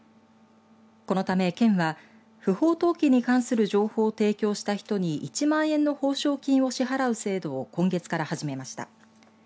このため、県は不法投棄に関する情報を提供した人に１万円の報奨金を支払う制度を今月から始めました。